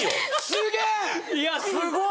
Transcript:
すげえ！